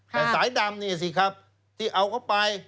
แต่สายดำนี่สิครับที่เอาเข้าไป